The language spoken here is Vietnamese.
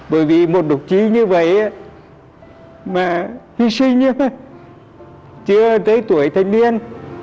bởi vì một độc chí như vậy mà hi sinh như vậy chưa tới tuổi thanh niên